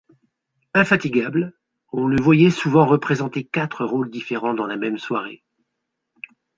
Infatigable, on le voyait souvent représenter quatre rôles différents dans la même soirée.